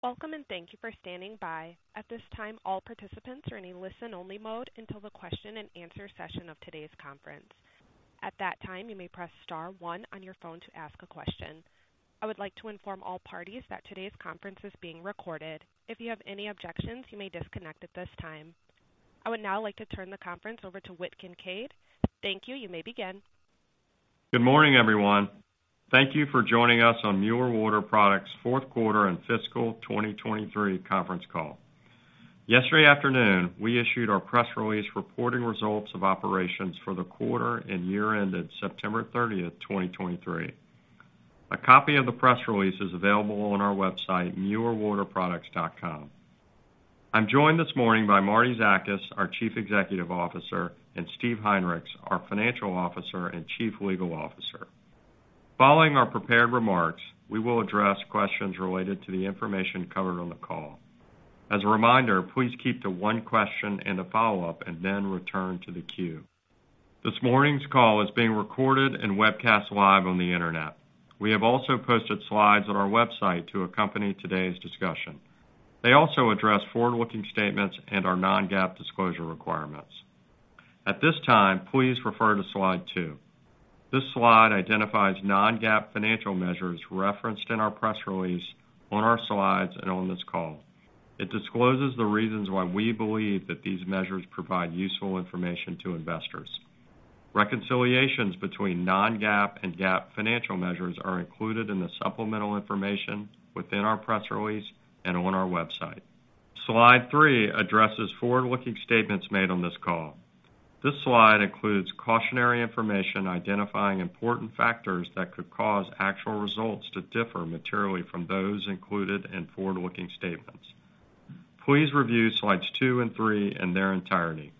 Welcome, and thank you for standing by. At this time, all participants are in a listen-only mode until the question-and-answer session of today's conference. At that time, you may press star one on your phone to ask a question. I would like to inform all parties that today's conference is being recorded. If you have any objections, you may disconnect at this time. I would now like to turn the conference over to Whit Kincaid. Thank you. You may begin. Good morning, everyone. Thank you for joining us on Mueller Water Products' Fourth Quarter and fiscal 2023 Conference Call. Yesterday afternoon, we issued our press release reporting results of operations for the quarter and year-ended September 30, 2023. A copy of the press release is available on our website, muellerwaterproducts.com. I'm joined this morning by Martie Zakas, our Chief Executive Officer; and Steve Heinrichs, our Chief Financial Officer and Chief Legal Officer. Following our prepared remarks, we will address questions related to the information covered on the call. As a reminder, please keep to one question and a follow-up, and then return to the queue. This morning's call is being recorded and webcast live on the Internet. We have also posted slides on our website to accompany today's discussion. They also address forward-looking statements and our non-GAAP disclosure requirements. At this time, please refer to slide two. This slide identifies non-GAAP financial measures referenced in our press release, on our slides, and on this call. It discloses the reasons why we believe that these measures provide useful information to investors. Reconciliations between non-GAAP and GAAP financial measures are included in the supplemental information within our press release and on our website. Slide three addresses forward-looking statements made on this call. This slide includes cautionary information identifying important factors that could cause actual results to differ materially from those included in forward-looking statements. Please review slides two and three in their entirety.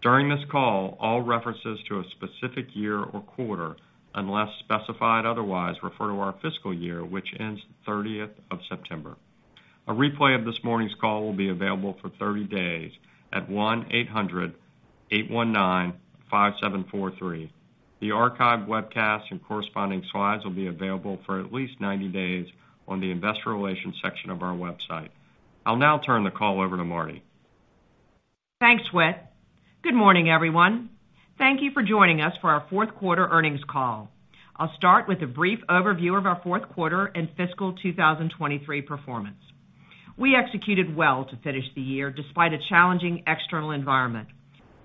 During this call, all references to a specific year or quarter, unless specified otherwise, refer to our fiscal year, which ends 30th of September. A replay of this morning's call will be available for 30 days at 1-800-819-5743. The archived webcast and corresponding slides will be available for at least 90 days on the Investor Relations section of our website. I'll now turn the call over to Martie. Thanks, Whit. Good morning, everyone. Thank you for joining us for our Fourth Quarter Earnings Call. I'll start with a brief overview of our fourth quarter and fiscal 2023 performance. We executed well to finish the year, despite a challenging external environment.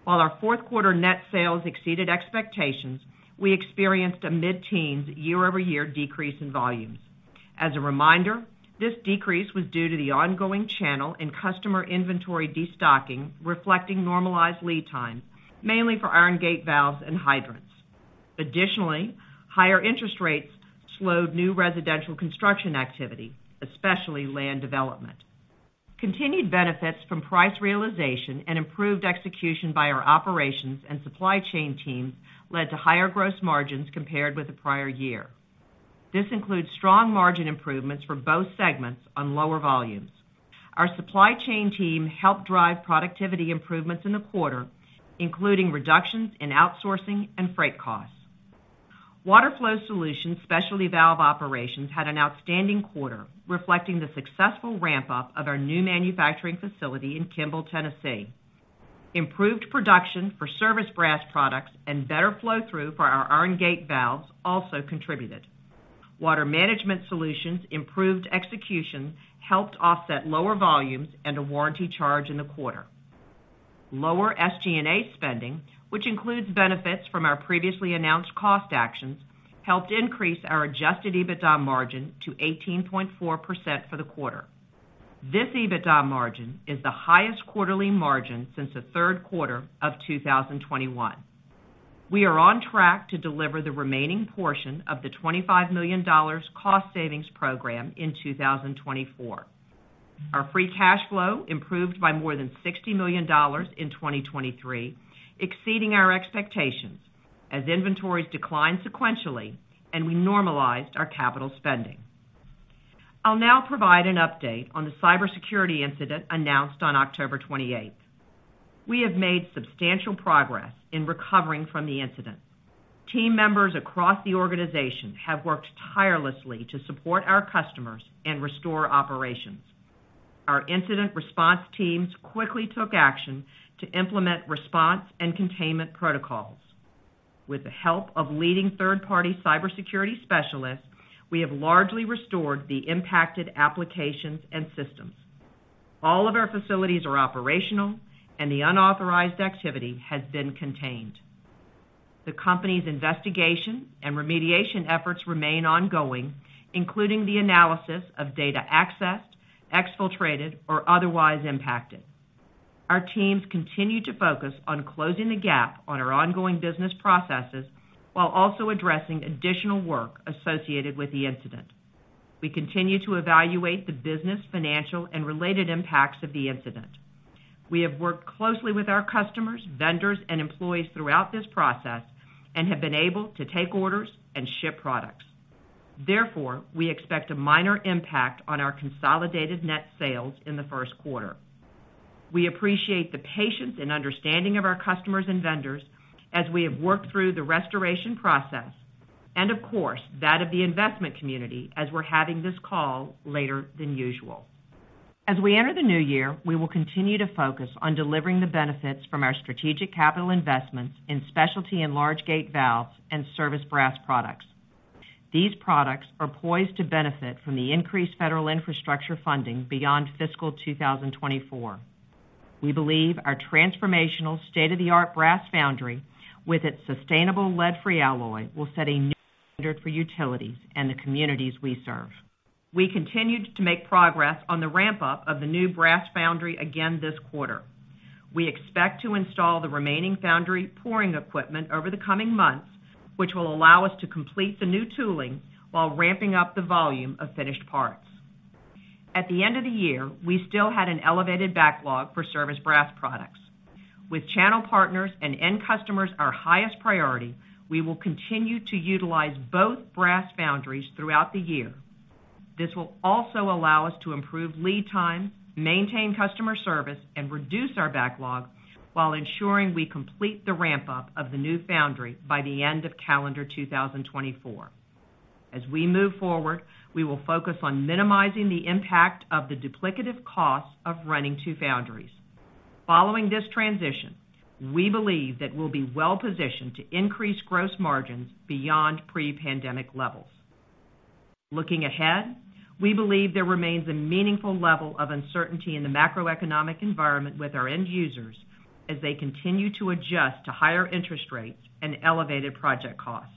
While our fourth quarter net sales exceeded expectations, we experienced a mid-teens year-over-year decrease in volumes. As a reminder, this decrease was due to the ongoing channel and customer inventory destocking, reflecting normalized lead times, mainly for iron gate valves and hydrants. Additionally, higher interest rates slowed new residential construction activity, especially land development. Continued benefits from price realization and improved execution by our operations and supply chain teams led to higher gross margins compared with the prior year. This includes strong margin improvements for both segments on lower volumes. Our supply chain team helped drive productivity improvements in the quarter, including reductions in outsourcing and freight costs. Water Flow Solutions specialty valve operations had an outstanding quarter, reflecting the successful ramp-up of our new manufacturing facility in Kimball, Tennessee. Improved production for service brass products and better flow-through for our iron gate valves also contributed. Water Management Solutions' improved execution helped offset lower volumes and a warranty charge in the quarter. Lower SG&A spending, which includes benefits from our previously announced cost actions, helped increase our adjusted EBITDA margin to 18.4% for the quarter. This EBITDA margin is the highest quarterly margin since the third quarter of 2021. We are on track to deliver the remaining portion of the $25 million cost savings program in 2024. Our free cash flow improved by more than $60 million in 2023, exceeding our expectations as inventories declined sequentially and we normalized our capital spending. I'll now provide an update on the cybersecurity incident announced on October 28th. We have made substantial progress in recovering from the incident. Team members across the organization have worked tirelessly to support our customers and restore operations. Our incident response teams quickly took action to implement response and containment protocols. With the help of leading third-party cybersecurity specialists, we have largely restored the impacted applications and systems. All of our facilities are operational, and the unauthorized activity has been contained. The company's investigation and remediation efforts remain ongoing, including the analysis of data accessed, exfiltrated, or otherwise impacted. Our teams continue to focus on closing the gap on our ongoing business processes while also addressing additional work associated with the incident. We continue to evaluate the business, financial, and related impacts of the incident. We have worked closely with our customers, vendors, and employees throughout this process and have been able to take orders and ship products. Therefore, we expect a minor impact on our consolidated net sales in the first quarter. We appreciate the patience and understanding of our customers and vendors as we have worked through the restoration process, and of course, that of the investment community, as we're having this call later than usual. As we enter the new year, we will continue to focus on delivering the benefits from our strategic capital investments in specialty and large gate valves and service brass products. These products are poised to benefit from the increased federal infrastructure funding beyond fiscal 2024. We believe our transformational state-of-the-art brass foundry, with its sustainable lead-free alloy, will set a new standard for utilities and the communities we serve. We continued to make progress on the ramp-up of the new brass foundry again this quarter. We expect to install the remaining foundry pouring equipment over the coming months, which will allow us to complete the new tooling while ramping up the volume of finished parts. At the end of the year, we still had an elevated backlog for service brass products. With channel partners and end customers our highest priority, we will continue to utilize both brass foundries throughout the year. This will also allow us to improve lead time, maintain customer service, and reduce our backlog while ensuring we complete the ramp-up of the new foundry by the end of calendar 2024. As we move forward, we will focus on minimizing the impact of the duplicative costs of running two foundries. Following this transition, we believe that we'll be well positioned to increase gross margins beyond pre-pandemic levels. Looking ahead, we believe there remains a meaningful level of uncertainty in the macroeconomic environment with our end users as they continue to adjust to higher interest rates and elevated project costs.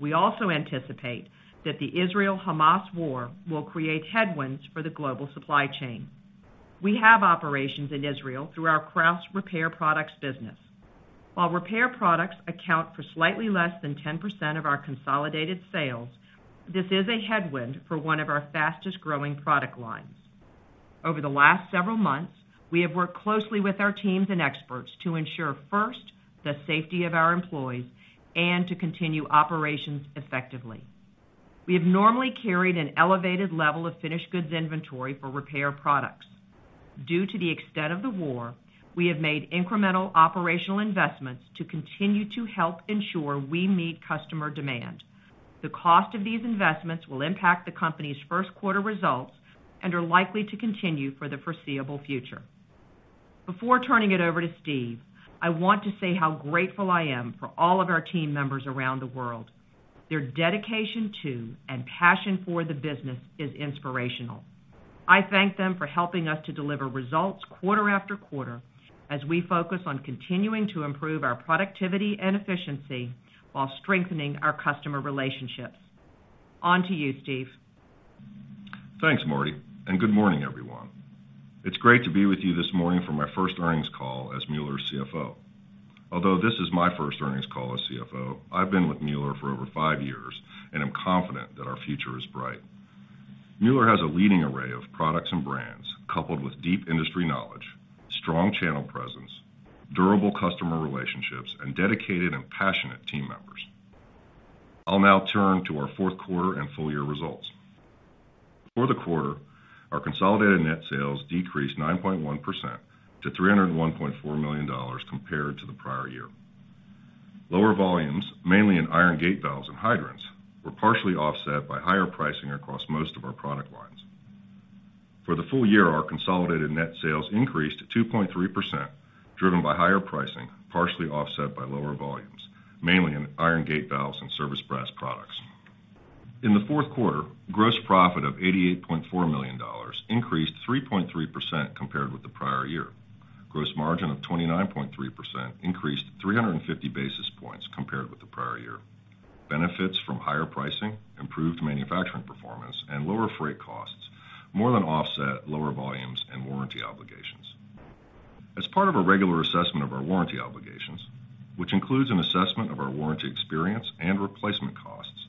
We also anticipate that the Israel-Hamas war will create headwinds for the global supply chain. We have operations in Israel through our Krausz Repair Products business. While repair products account for slightly less than 10% of our consolidated sales, this is a headwind for one of our fastest-growing product lines. Over the last several months, we have worked closely with our teams and experts to ensure, first, the safety of our employees and to continue operations effectively. We have normally carried an elevated level of finished goods inventory for repair products. Due to the extent of the war, we have made incremental operational investments to continue to help ensure we meet customer demand. The cost of these investments will impact the company's first quarter results and are likely to continue for the foreseeable future. Before turning it over to Steve, I want to say how grateful I am for all of our team members around the world. Their dedication to and passion for the business is inspirational. I thank them for helping us to deliver results quarter after quarter as we focus on continuing to improve our productivity and efficiency while strengthening our customer relationships. On to you, Steve. Thanks, Martie, and good morning, everyone. It's great to be with you this morning for my first earnings call as Mueller's CFO. Although this is my first earnings call as CFO, I've been with Mueller for over five years and am confident that our future is bright. Mueller has a leading array of products and brands, coupled with deep industry knowledge, strong channel presence, durable customer relationships, and dedicated and passionate team members. I'll now turn to our fourth quarter and full year results. For the quarter, our consolidated net sales decreased 9.1% to $301.4 million compared to the prior year. Lower volumes, mainly in iron gate valves and hydrants, were partially offset by higher pricing across most of our product lines. For the full year, our consolidated net sales increased 2.3%, driven by higher pricing, partially offset by lower volumes, mainly in iron gate valves and service brass products. In the fourth quarter, gross profit of $88.4 million increased 3.3% compared with the prior year. Gross margin of 29.3% increased 350 basis points compared with the prior year. Benefits from higher pricing, improved manufacturing performance, and lower freight costs more than offset lower volumes and warranty obligations. As part of a regular assessment of our warranty obligations, which includes an assessment of our warranty experience and replacement costs,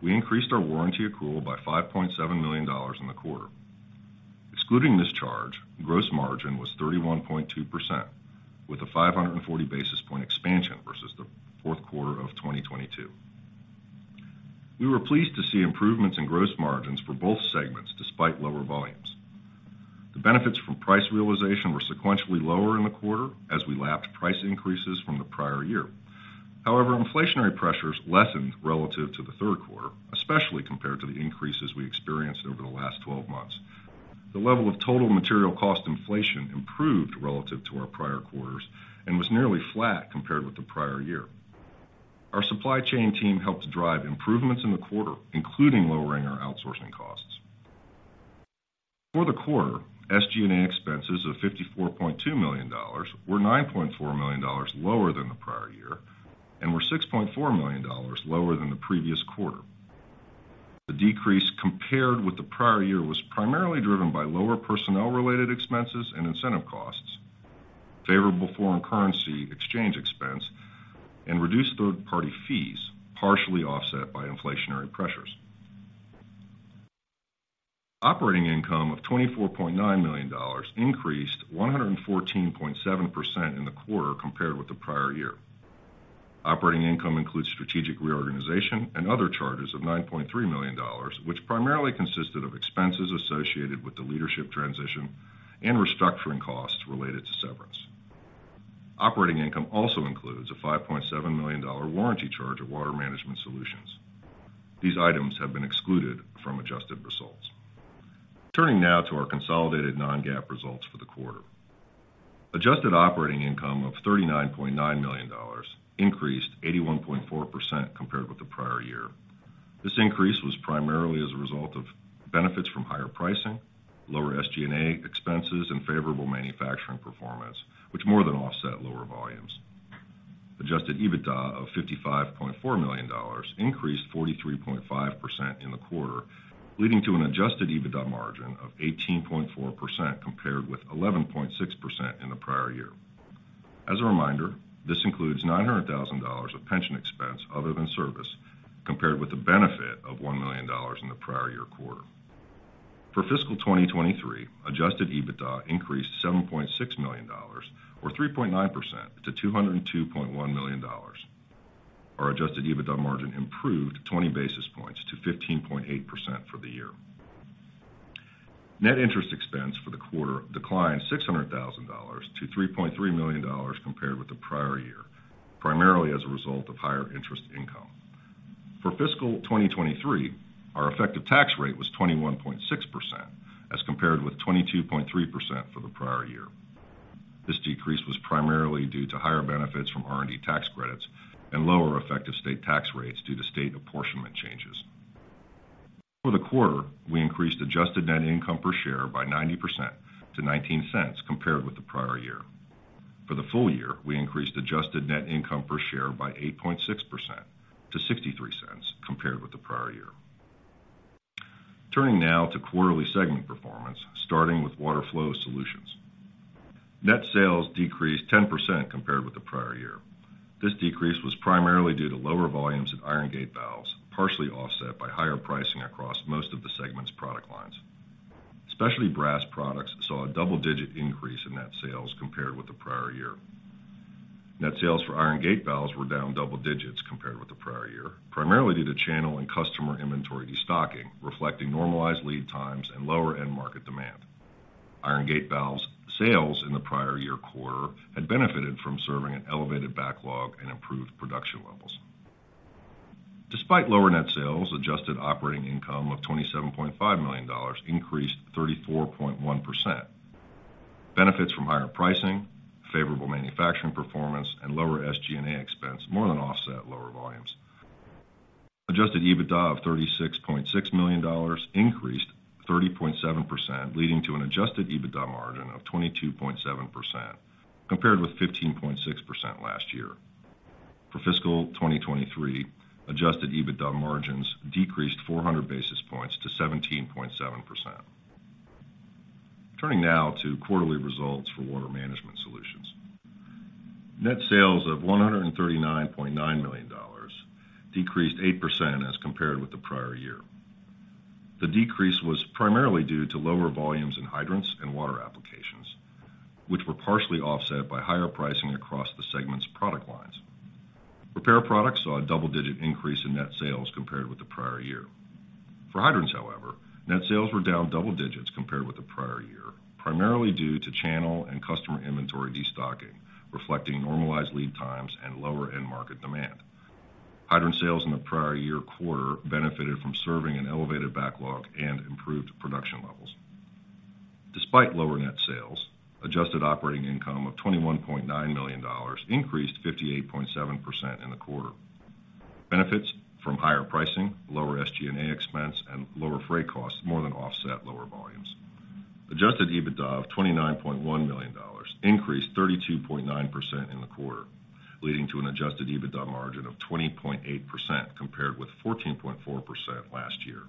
we increased our warranty accrual by $5.7 million in the quarter. Excluding this charge, gross margin was 31.2%, with a 540 basis point expansion versus the fourth quarter of 2022. We were pleased to see improvements in gross margins for both segments, despite lower volumes. The benefits from price realization were sequentially lower in the quarter as we lapped price increases from the prior year. However, inflationary pressures lessened relative to the third quarter, especially compared to the increases we experienced over the last 12 months. The level of total material cost inflation improved relative to our prior quarters and was nearly flat compared with the prior year. Our supply chain team helped to drive improvements in the quarter, including lowering our outsourcing costs. For the quarter, SG&A expenses of $54.2 million were $9.4 million lower than the prior year and were $6.4 million lower than the previous quarter. The decrease compared with the prior year was primarily driven by lower personnel-related expenses and incentive costs, favorable foreign currency exchange expense, and reduced third-party fees, partially offset by inflationary pressures. Operating income of $24.9 million increased 114.7% in the quarter compared with the prior year. Operating income includes strategic reorganization and other charges of $9.3 million, which primarily consisted of expenses associated with the leadership transition and restructuring costs related to severance. Operating income also includes a $5.7 million dollar warranty charge of Water Management Solutions. These items have been excluded from adjusted results. Turning now to our consolidated non-GAAP results for the quarter. Adjusted operating income of $39.9 million increased 81.4% compared with the prior year. This increase was primarily as a result of benefits from higher pricing, lower SG&A expenses, and favorable manufacturing performance, which more than offset lower volumes. Adjusted EBITDA of $55.4 million increased 43.5% in the quarter, leading to an adjusted EBITDA margin of 18.4%, compared with 11.6% in the prior year. As a reminder, this includes $900,000 of pension expense other than service, compared with the benefit of $1 million in the prior quarter. For fiscal 2023, adjusted EBITDA increased $7.6 million, or 3.9% to $202.1 million. Our adjusted EBITDA margin improved 20 basis points to 15.8% for the year. Net interest expense for the quarter declined $600,000 to $3.3 million compared with the prior year, primarily as a result of higher interest income. For fiscal 2023, our effective tax rate was 21.6%, as compared with 22.3% for the prior year. This decrease was primarily due to higher benefits from R&D tax credits and lower effective state tax rates due to state apportionment changes. For the quarter, we increased adjusted net income per share by 90% to $0.19 compared with the prior year. For the full year, we increased adjusted net income per share by 8.6% to $0.63 compared with the prior year. Turning now to quarterly segment performance, starting with Water Flow Solutions. Net sales decreased 10% compared with the prior year. This decrease was primarily due to lower volumes in iron gate valves, partially offset by higher pricing across most of the segment's product lines. Specialty brass products saw a double-digit increase in net sales compared with the prior year. Net sales for iron gate valves were down double digits compared with the prior year, primarily due to channel and customer inventory destocking, reflecting normalized lead times and lower end market demand. Iron gate valves sales in the prior year quarter had benefited from serving an elevated backlog and improved production levels. Despite lower net sales, adjusted operating income of $27.5 million increased 34.1%. Benefits from higher pricing, favorable manufacturing performance, and lower SG&A expense more than offset lower volumes. Adjusted EBITDA of $36.6 million increased 30.7%, leading to an adjusted EBITDA margin of 22.7%, compared with 15.6% last year. For fiscal 2023, adjusted EBITDA margins decreased 400 basis points to 17.7%. Turning now to quarterly results for Water Management Solutions. Net sales of $139.9 million decreased 8% as compared with the prior year. The decrease was primarily due to lower volumes in hydrants and water applications, which were partially offset by higher pricing across the segment's product lines. Repair products saw a double-digit increase in net sales compared with the prior year. For hydrants, however, net sales were down double digits compared with the prior year, primarily due to channel and customer inventory destocking, reflecting normalized lead times and lower end market demand. Hydrant sales in the prior year quarter benefited from serving an elevated backlog and improved production levels. Despite lower net sales, adjusted operating income of $21.9 million increased 58.7% in the quarter. Benefits from higher pricing, lower SG&A expense, and lower freight costs more than offset lower volumes. Adjusted EBITDA of $29.1 million increased 32.9% in the quarter, leading to an adjusted EBITDA margin of 20.8%, compared with 14.4% last year.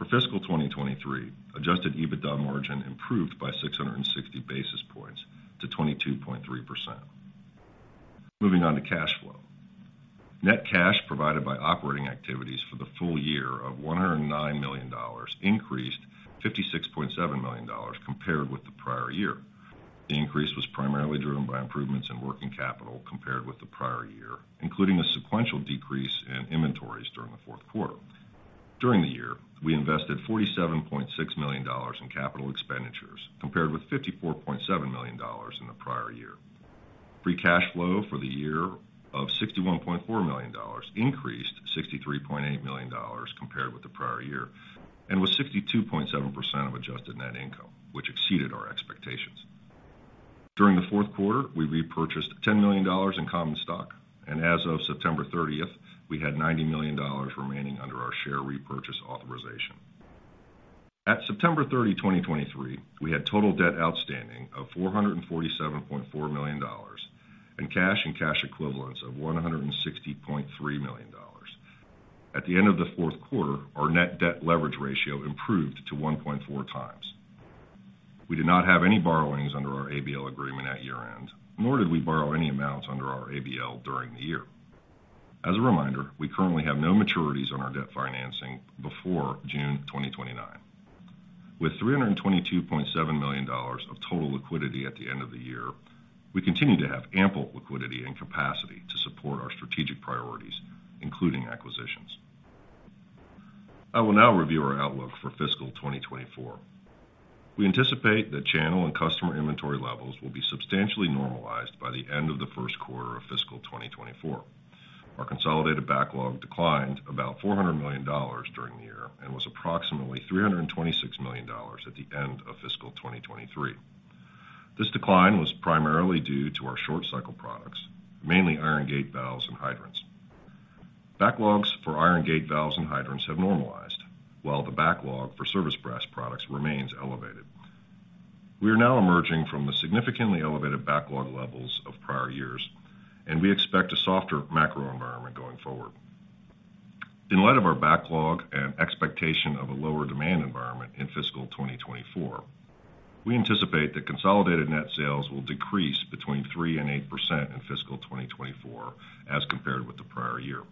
For fiscal 2023, adjusted EBITDA margin improved by 660 basis points to 22.3%. Moving on to cash flow. Net cash provided by operating activities for the full year of $109 million increased $56.7 million compared with the prior year. The increase was primarily driven by improvements in working capital compared with the prior year, including a sequential decrease in inventories during the fourth quarter. During the year, we invested $47.6 million in capital expenditures, compared with $54.7 million in the prior year. Free cash flow for the year of $61.4 million increased $63.8 million compared with the prior year, and was 62.7% of adjusted net income, which exceeded our expectations. During the fourth quarter, we repurchased $10 million in common stock, and as of September 30th, we had $90 million remaining under our share repurchase authorization. At September 30, 2023, we had total debt outstanding of $447.4 million, and cash and cash equivalents of $160.3 million. At the end of the fourth quarter, our net debt leverage ratio improved to 1.4x. We did not have any borrowings under our ABL agreement at year-end, nor did we borrow any amounts under our ABL during the year. As a reminder, we currently have no maturities on our debt financing before June 2029. With $322.7 million of total liquidity at the end of the year, we continue to have ample liquidity and capacity to support our strategic priorities, including acquisitions. I will now review our outlook for fiscal 2024. We anticipate that channel and customer inventory levels will be substantially normalized by the end of the first quarter of fiscal 2024. Our consolidated backlog declined about $400 million during the year and was approximately $326 million at the end of fiscal 2023. This decline was primarily due to our short cycle products, mainly iron gate valves and hydrants. Backlogs for iron gate valves and hydrants have normalized, while the backlog for service brass products remains elevated. We are now emerging from the significantly elevated backlog levels of prior years, and we expect a softer macro environment going forward. In light of our backlog and expectation of a lower demand environment in fiscal 2024, we anticipate that consolidated net sales will decrease between 3% and 8% in fiscal 2024 as compared with the prior year.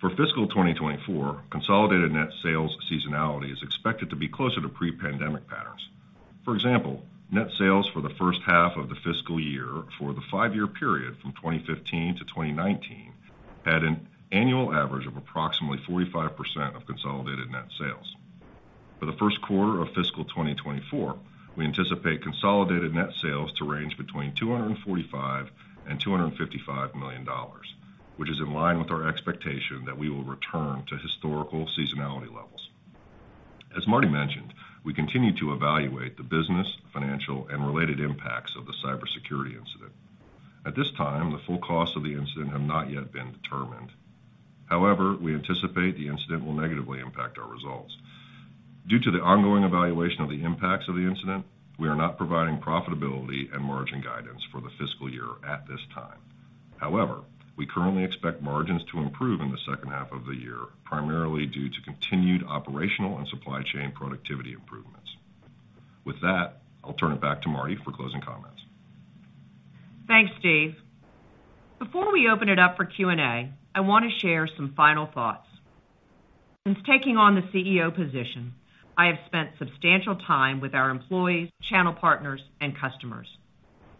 For fiscal 2024, consolidated net sales seasonality is expected to be closer to pre-pandemic patterns. For example, net sales for the first half of the fiscal year for the five-year period from 2015 to 2019 had an annual average of approximately 45% of consolidated net sales. For the first quarter of fiscal 2024, we anticipate consolidated net sales to range between $245 million and $255 million, which is in line with our expectation that we will return to historical seasonality levels. As Martie mentioned, we continue to evaluate the business, financial, and related impacts of the cybersecurity incident. At this time, the full costs of the incident have not yet been determined. However, we anticipate the incident will negatively impact our results. Due to the ongoing evaluation of the impacts of the incident, we are not providing profitability and margin guidance for the fiscal year at this time. However, we currently expect margins to improve in the second half of the year, primarily due to continued operational and supply chain productivity improvements. With that, I'll turn it back to Martie for closing comments. Thanks, Steve. Before we open it up for Q&A, I want to share some final thoughts. Since taking on the CEO position, I have spent substantial time with our employees, channel partners, and customers.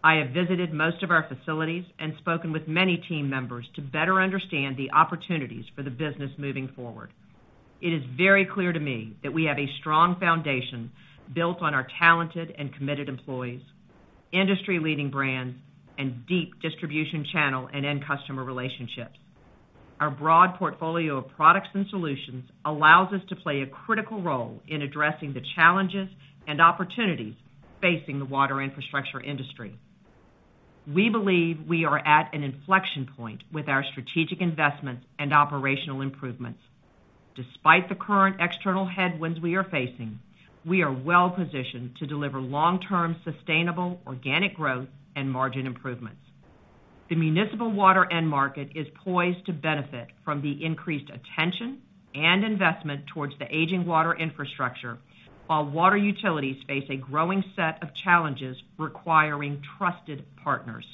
I have visited most of our facilities and spoken with many team members to better understand the opportunities for the business moving forward. It is very clear to me that we have a strong foundation built on our talented and committed employees, industry-leading brands, and deep distribution channel and end customer relationships. Our broad portfolio of products and solutions allows us to play a critical role in addressing the challenges and opportunities facing the water infrastructure industry. We believe we are at an inflection point with our strategic investments and operational improvements. Despite the current external headwinds we are facing, we are well positioned to deliver long-term, sustainable organic growth and margin improvements. The municipal water end market is poised to benefit from the increased attention and investment towards the aging water infrastructure, while water utilities face a growing set of challenges requiring trusted partners.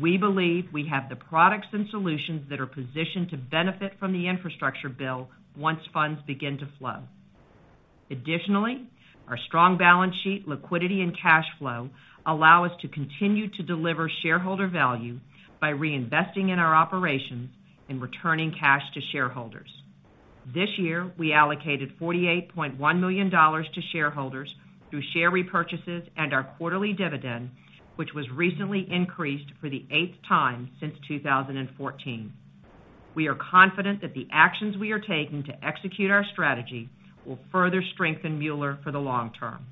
We believe we have the products and solutions that are positioned to benefit from the infrastructure bill once funds begin to flow. Additionally, our strong balance sheet, liquidity, and cash flow allow us to continue to deliver shareholder value by reinvesting in our operations and returning cash to shareholders. This year, we allocated $48.1 million to shareholders through share repurchases and our quarterly dividend, which was recently increased for the eighth time since 2014. We are confident that the actions we are taking to execute our strategy will further strengthen Mueller for the long term.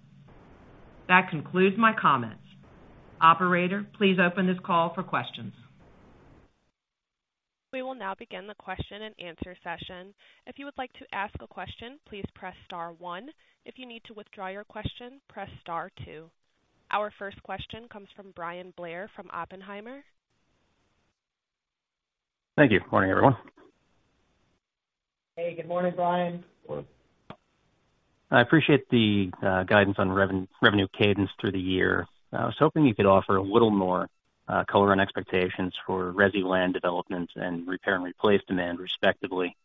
That concludes my comments. Operator, please open this call for questions. We will now begin the question-and-answer session. If you would like to ask a question, please press star one. If you need to withdraw your question, press star two. Our first question comes from Bryan Blair, from Oppenheimer. Thank you. Morning, everyone. Hey, good morning, Bryan. Good morning. I appreciate the guidance on revenue cadence through the year. I was hoping you could offer a little more color on expectations for resi land development and repair and replace demand, respectively.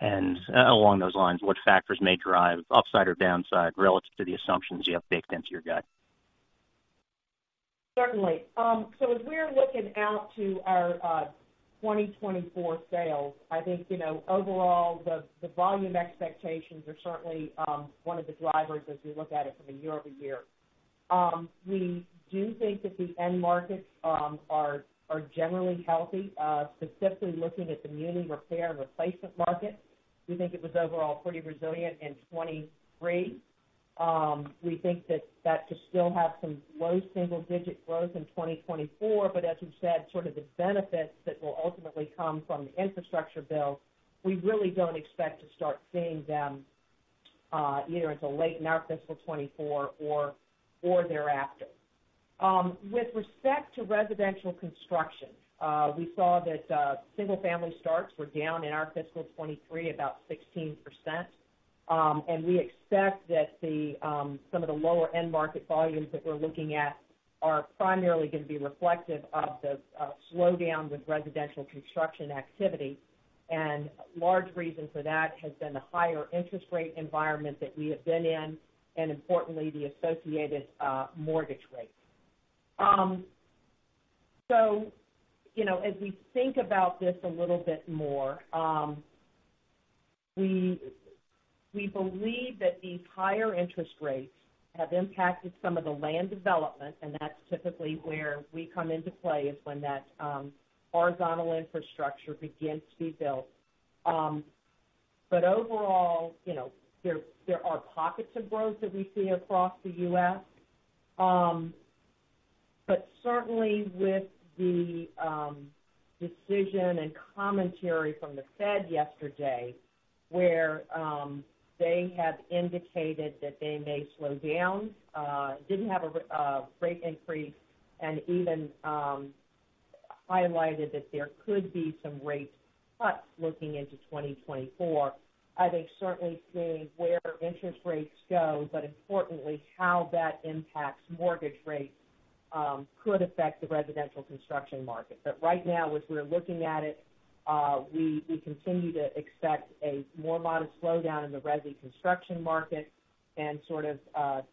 Along those lines, what factors may drive upside or downside relative to the assumptions you have baked into your guide? Certainly. So as we're looking out to our 2024 sales, I think, you know, overall, the volume expectations are certainly one of the drivers as we look at it from a year-over-year. We do think that the end markets are generally healthy. Specifically looking at the muni repair and replacement market, we think it was overall pretty resilient in 2023. We think that that should still have some low single-digit growth in 2024, but as you said, sort of the benefits that will ultimately come from the infrastructure bill, we really don't expect to start seeing them either until late in our fiscal 2024 or thereafter. With respect to residential construction, we saw that single-family starts were down in our fiscal 2023, about 16%. And we expect that the some of the lower-end market volumes that we're looking at are primarily gonna be reflective of the slowdown with residential construction activity. And large reason for that has been the higher interest rate environment that we have been in, and importantly, the associated mortgage rates. So, you know, as we think about this a little bit more, we, we believe that these higher interest rates have impacted some of the land development, and that's typically where we come into play, is when that horizontal infrastructure begins to be built. But overall, you know, there, there are pockets of growth that we see across the U.S. But certainly with the decision and commentary from the Fed yesterday, where they have indicated that they may slow down, didn't have a rate increase, and even highlighted that there could be some rate cuts looking into 2024, I think certainly seeing where interest rates go, but importantly, how that impacts mortgage rates, could affect the residential construction market. But right now, as we're looking at it, we continue to expect a more modest slowdown in the resi construction market and sort of,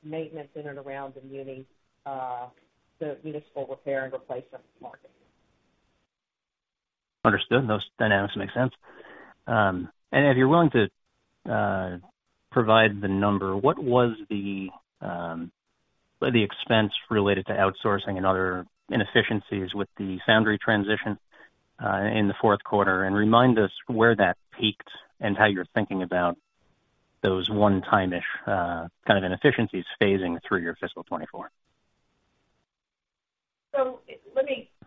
maintenance in and around the muni, the municipal repair and replacement market. Understood. Those dynamics make sense. And if you're willing to provide the number, what was the expense related to outsourcing and other inefficiencies with the foundry transition in the fourth quarter? And remind us where that peaked and how you're thinking about those one-time-ish kind of inefficiencies phasing through your fiscal 2024. So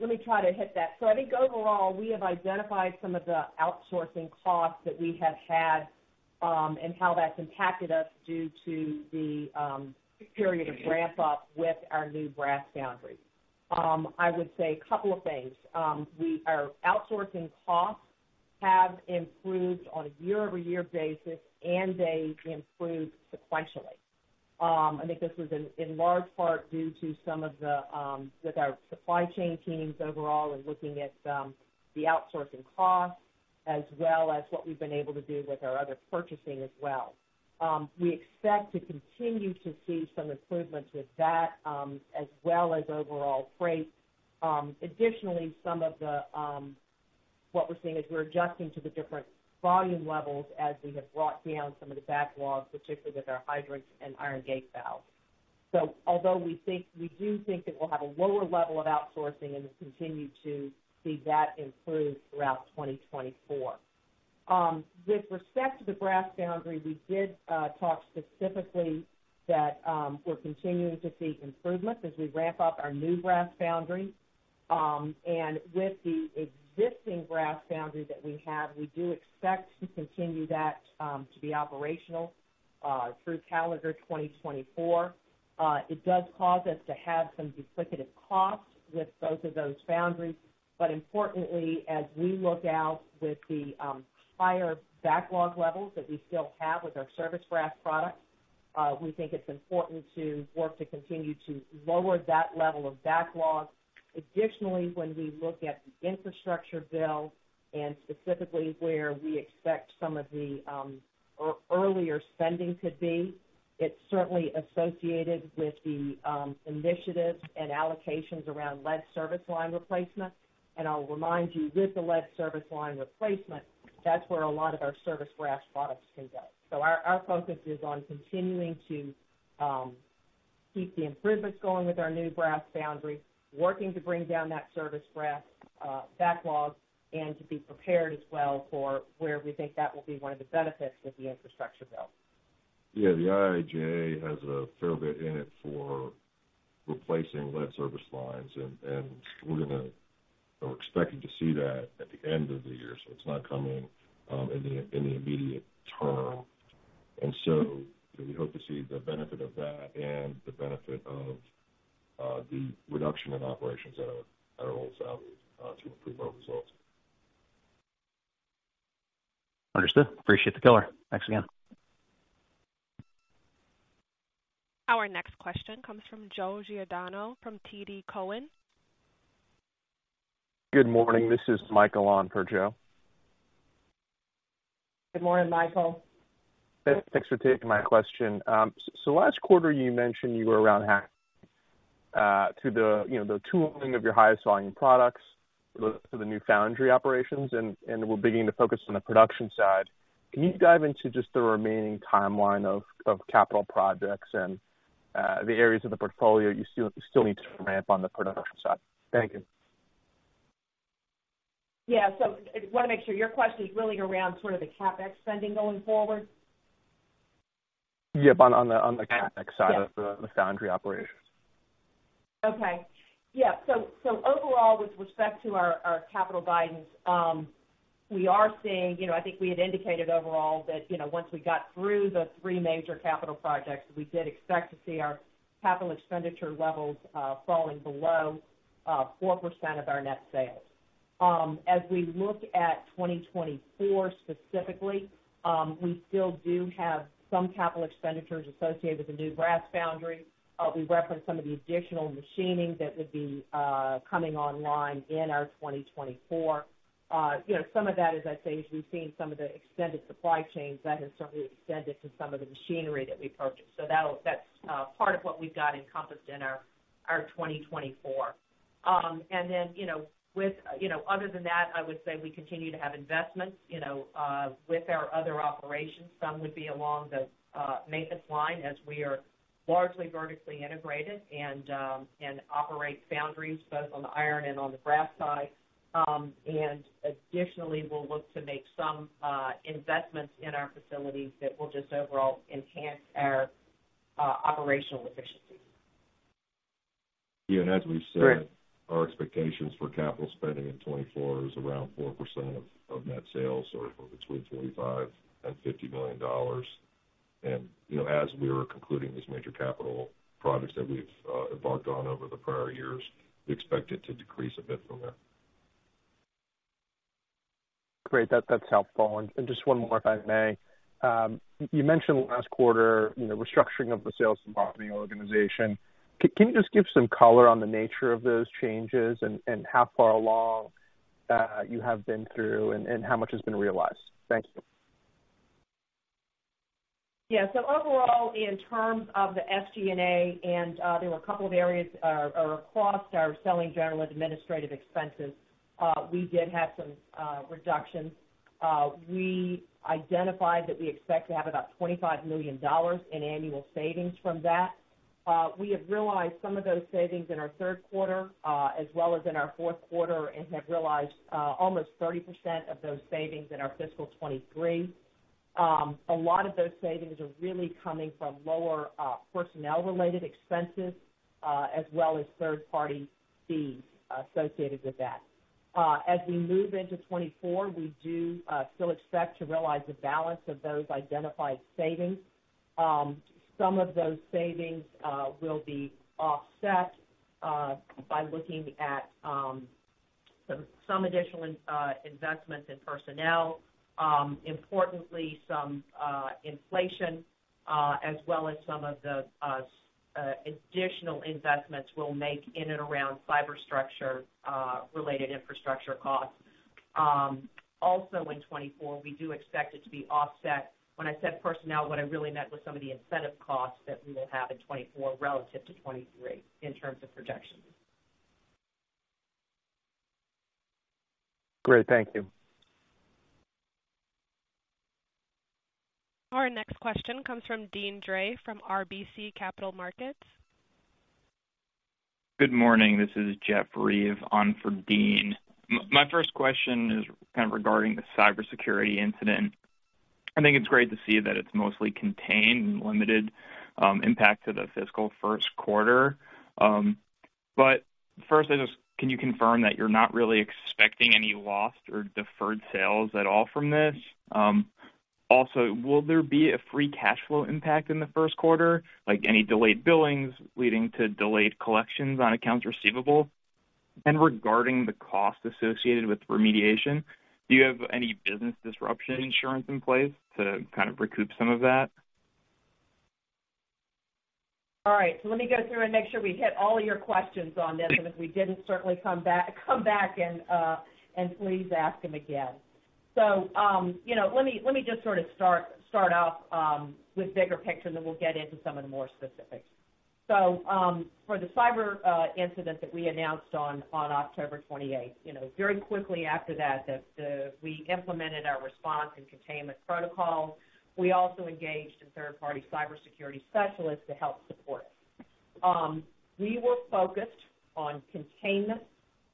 let me try to hit that. So I think overall, we have identified some of the outsourcing costs that we have had, and how that's impacted us due to the period of ramp up with our new brass foundry. I would say a couple of things. Our outsourcing costs have improved on a year-over-year basis, and they improved sequentially. I think this is in large part due to some of the work with our supply chain teams overall and looking at the outsourcing costs, as well as what we've been able to do with our other purchasing as well. We expect to continue to see some improvements with that, as well as overall freight. Additionally, some of the what we're seeing as we're adjusting to the different volume levels as we have brought down some of the backlogs, particularly with our hydrants and iron gate valves. So although we think, we do think that we'll have a lower level of outsourcing and continue to see that improve throughout 2024. With respect to the brass foundry, we did talk specifically that we're continuing to see improvements as we ramp up our new brass foundry. And with the existing brass foundry that we have, we do expect to continue that to be operational through calendar 2024. It does cause us to have some duplicative costs with both of those foundries. But importantly, as we look out with the higher backlog levels that we still have with our service brass products, we think it's important to work to continue to lower that level of backlog. Additionally, when we look at the infrastructure bill and specifically where we expect some of the earlier spending to be, it's certainly associated with the initiatives and allocations around lead service line replacement. And I'll remind you, with the lead service line replacement, that's where a lot of our service brass products can go. So our focus is on continuing to keep the improvements going with our new brass foundry, working to bring down that service brass backlog, and to be prepared as well for where we think that will be one of the benefits with the infrastructure bill. Yeah, the IIJA has a fair bit in it for replacing lead service lines, and we're gonna or expecting to see that at the end of the year, so it's not coming in the immediate term. And so we hope to see the benefit of that and the benefit of the reduction in operations at our old foundries to improve our results. Understood. Appreciate the color. Thanks again. Our next question comes from Joe Giordano from TD Cowen. Good morning. This is Michael on for Joe. Good morning, Michael. Thanks for taking my question. So last quarter, you mentioned you were around to the, you know, the tooling of your highest volume products for the, for the new foundry operations, and we're beginning to focus on the production side. Can you dive into just the remaining timeline of capital projects and the areas of the portfolio you still need to ramp on the production side? Thank you. Yeah. So I wanna make sure your question is really around sort of the CapEx spending going forward? Yep, on the CapEx side- Yeah -of the foundry operations. Okay. Yeah. So overall, with respect to our capital guidance, we are seeing. You know, I think we had indicated overall that, you know, once we got through the three major capital projects, we did expect to see our capital expenditure levels falling below 4% of our net sales. As we look at 2024 specifically, we still do have some capital expenditures associated with the new brass foundry. We referenced some of the additional machining that would be coming online in our 2024. You know, some of that, as I say, as we've seen some of the extended supply chains, that has certainly extended to some of the machinery that we purchased. So that'll, that's part of what we've got encompassed in our 2024. And then, you know, with, you know, other than that, I would say we continue to have investments, you know, with our other operations. Some would be along the maintenance line as we are largely vertically integrated and operate foundries, both on the iron and on the brass side. And additionally, we'll look to make some investments in our facilities that will just overall enhance our operational efficiency. Yeah, and as we've said, our expectations for capital spending in 2024 is around 4% of net sales, or $45 million-$50 million. And, you know, as we are concluding these major capital projects that we've embarked on over the prior years, we expect it to decrease a bit from there. Great, that's helpful. And just one more, if I may. You mentioned last quarter, you know, restructuring of the sales and marketing organization. Can you just give some color on the nature of those changes and how far along you have been through and how much has been realized? Thank you. Yeah. So overall, in terms of the SG&A, there were a couple of areas or across our selling general administrative expenses, we did have some reductions. We identified that we expect to have about $25 million in annual savings from that. We have realized some of those savings in our third quarter, as well as in our fourth quarter, and have realized almost 30% of those savings in our fiscal 2023. A lot of those savings are really coming from lower personnel-related expenses, as well as third-party fees associated with that. As we move into 2024, we do still expect to realize the balance of those identified savings. Some of those savings will be offset by looking at some additional investments in personnel, importantly, some inflation, as well as some of the additional investments we'll make in and around fiber structure related infrastructure costs. Also in 2024, we do expect it to be offset. When I said personnel, what I really meant was some of the incentive costs that we will have in 2024 relative to 2023 in terms of projections. Great. Thank you. Our next question comes from Deane Dray from RBC Capital Markets. Good morning. This is Jeff Reeve on for Deane. My first question is kind of regarding the cybersecurity incident. I think it's great to see that it's mostly contained and limited impact to the fiscal first quarter. But first, I just can you confirm that you're not really expecting any lost or deferred sales at all from this? Also, will there be a free cash flow impact in the first quarter, like any delayed billings leading to delayed collections on accounts receivable? And regarding the cost associated with remediation, do you have any business disruption insurance in place to kind of recoup some of that? All right. So let me go through and make sure we hit all your questions on this, and if we didn't, certainly come back and please ask them again. So, you know, let me just sort of start off with bigger picture, and then we'll get into some of the more specifics. So, for the cyber incident that we announced on October 28, you know, very quickly after that, we implemented our response and containment protocols. We also engaged a third-party cybersecurity specialist to help support us. We were focused on containment,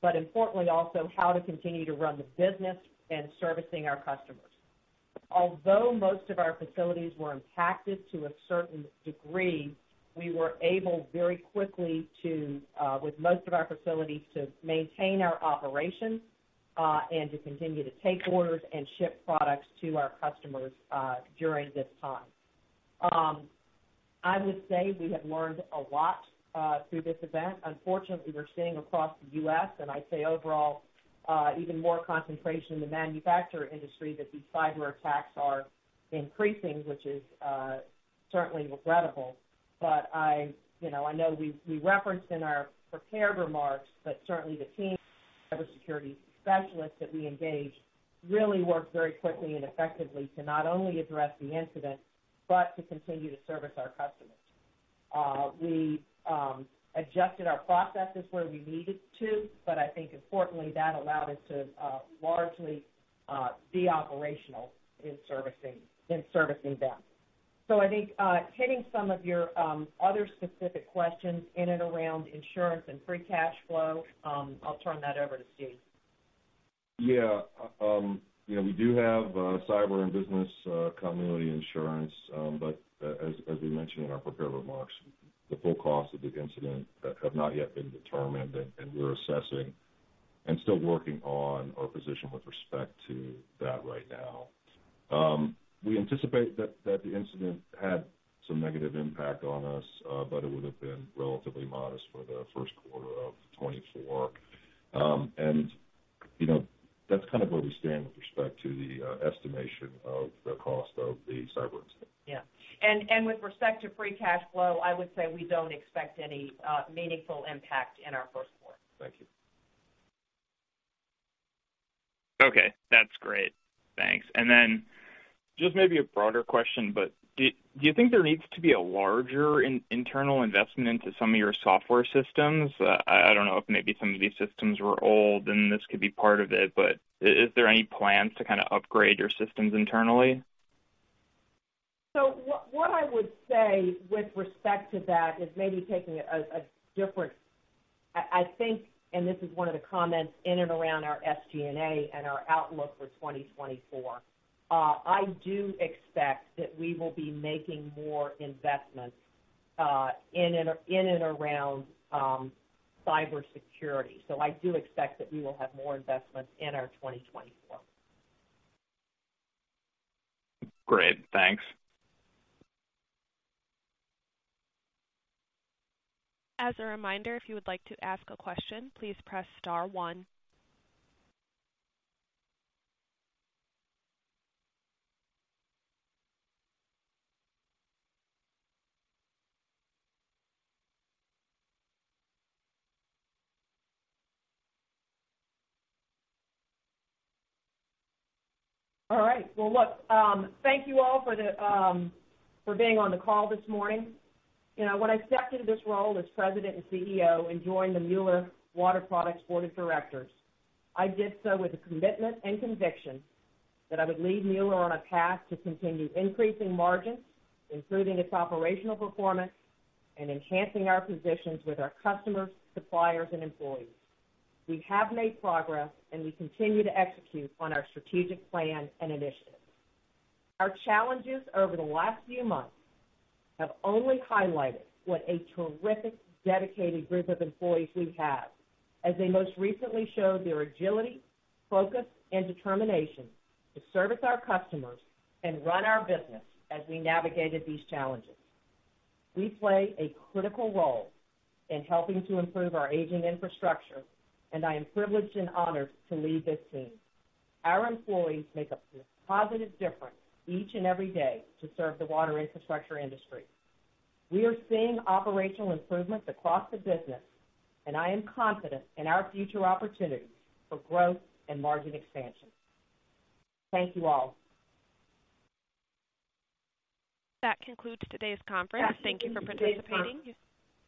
but importantly, also how to continue to run the business and servicing our customers. Although most of our facilities were impacted to a certain degree, we were able, very quickly, to, with most of our facilities, to maintain our operations, and to continue to take orders and ship products to our customers, during this time. I would say we have learned a lot, through this event. Unfortunately, we're seeing across the U.S., and I'd say overall, even more concentration in the manufacturer industry, that these cyberattacks are increasing, which is, certainly regrettable. But I, you know, I know we, we referenced in our prepared remarks, but certainly the team, cybersecurity specialists that we engaged, really worked very quickly and effectively to not only address the incident, but to continue to service our customers. We adjusted our processes where we needed to, but I think importantly, that allowed us to largely be operational in servicing them. So I think, hitting some of your other specific questions in and around insurance and free cash flow, I'll turn that over to Steve. Yeah. You know, we do have cyber and business continuity insurance, but as we mentioned in our prepared remarks, the full cost of the incident have not yet been determined, and we're assessing and still working on our position with respect to that right now. We anticipate that the incident had some negative impact on us, but it would have been relatively modest for the first quarter of 2024. And, you know, that's kind of where we stand with respect to the estimation of the cost of the cyber incident. Yeah. And with respect to free cash flow, I would say we don't expect any meaningful impact in our first quarter. Thank you. Okay, that's great. Thanks. And then just maybe a broader question, but do you think there needs to be a larger internal investment into some of your software systems? I don't know if maybe some of these systems were old, and this could be part of it, but is there any plans to kind of upgrade your systems internally? So what I would say with respect to that is maybe taking it a different. I think, and this is one of the comments in and around our SG&A and our outlook for 2024. I do expect that we will be making more investments in and around cybersecurity. So I do expect that we will have more investments in our 2024. Great, thanks. As a reminder, if you would like to ask a question, please press star one. All right. Well, look, thank you all for the, for being on the call this morning. You know, when I stepped into this role as president and CEO and joined the Mueller Water Products Board of Directors, I did so with a commitment and conviction that I would lead Mueller on a path to continue increasing margins, improving its operational performance, and enhancing our positions with our customers, suppliers, and employees. We have made progress, and we continue to execute on our strategic plan and initiatives. Our challenges over the last few months have only highlighted what a terrific, dedicated group of employees we have, as they most recently showed their agility, focus, and determination to service our customers and run our business as we navigated these challenges. We play a critical role in helping to improve our aging infrastructure, and I am privileged and honored to lead this team. Our employees make a positive difference each and every day to serve the water infrastructure industry. We are seeing operational improvements across the business, and I am confident in our future opportunities for growth and margin expansion. Thank you all. That concludes today's conference. Thank you for participating.